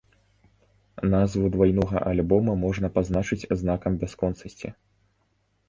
Назву двайнога альбома, можна пазначыць знакам бясконцасці.